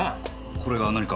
これが何か？